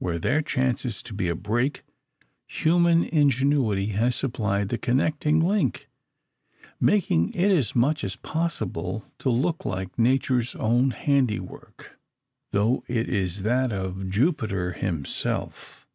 Where there chances to be a break, human ingenuity has supplied the connecting link, making it as much as possible to look like Nature's own handiwork; though it is that of Jupiter himself.